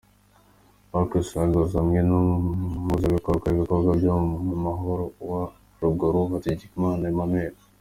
Barks-Ruggles hamwe n’Umuhuzabikorwa w’ibikorwa byo mu Muhora wa Ruguru, Hategeka Emmanuel.